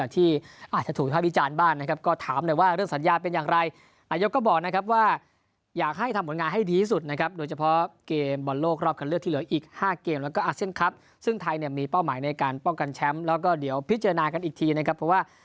ที่เราได้ศึกซ้อมกันมานะครับ